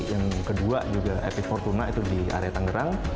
yang kedua juga epice fortuna itu di area tangerang